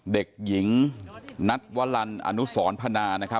เด็กหญิงนัทวรรณอนุสรพนา